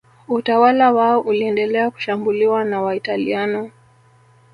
utawala wao uliendelea kushambuliwa na Waitaliano